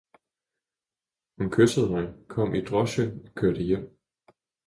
Hun kyssede mig, kom i drosche og kørte hjem.